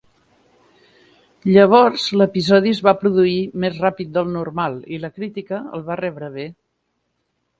Llavors, l'episodi es va produir més ràpid del normal i la crítica el va rebre bé.